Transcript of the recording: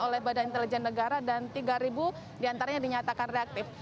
oleh badan intelijen negara dan tiga diantaranya dinyatakan reaktif